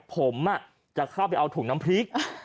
ผมจะเข้าไปเอาถุงน้ำพริก